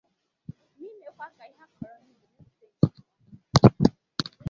na imekwa ka ihe a kọrọ n'ubi mepụta ihe nke ọma.